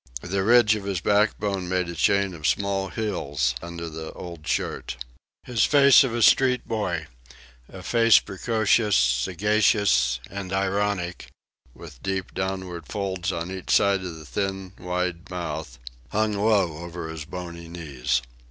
The ridge of his backbone made a chain of small hills under the old shirt. His face of a street boy a face precocious, sagacious, and ironic, with deep downward folds on each side of the thin, wide mouth hung low over his bony knees.